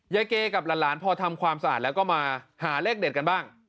เกกับหลานพอทำความสะอาดแล้วก็มาหาเลขเด็ดกันบ้าง